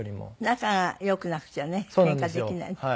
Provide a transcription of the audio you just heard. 仲が良くなくちゃねケンカできないね。